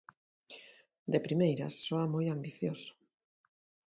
De primeiras soa moi ambicioso.